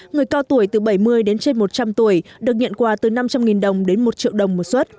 người cao tuổi từ bảy mươi đến trên một trăm linh tuổi được nhận quà từ năm trăm linh đồng đến một triệu đồng một suất